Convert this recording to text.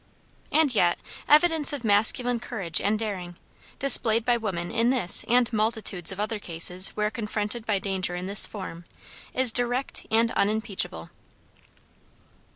And yet, evidence of masculine courage and daring, displayed by women in this and multitudes of other cases where confronted by danger in this form, is direct and unimpeachable.